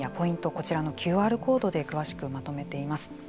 こちらのＱＲコードで詳しくまとめています。